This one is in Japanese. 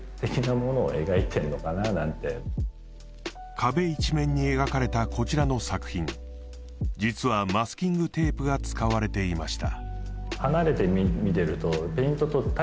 壁一面に描かれたこちらの作品実はマスキングテープが使われていました